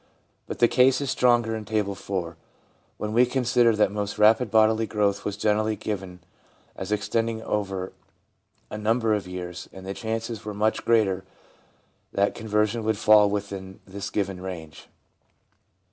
But the case is stronger in Table IV., when we consider that most rapid bodily growth was generally given as extending over a number of years, and the chances were much greater that conversion would fall within this given range.